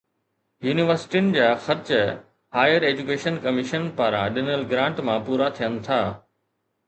يونيورسٽين جا خرچ هائير ايجوڪيشن ڪميشن پاران ڏنل گرانٽ مان پورا ٿين ٿا